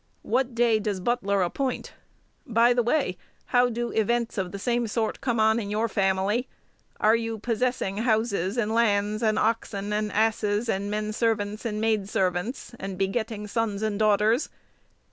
What day does Butler appoint? By the way, how do "events" of the same sort come on in your family? Are you possessing houses and lands, and oxen and asses, and men servants and maid servants, and begetting sons and daughters?